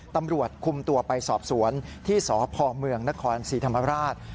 ตำรวจคุมตัวไปสอบสวนที่สพเมืองนครศรีธรรมราช